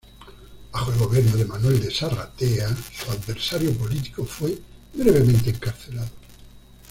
Bajo el gobierno de Manuel de Sarratea, su adversario político, fue brevemente encarcelado.